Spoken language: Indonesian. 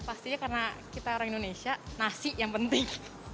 pastinya karena kita orang indonesia nasi yang penting